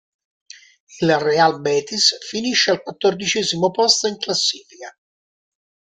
Il Real Betis finisce al quattordicesimo posto in classifica.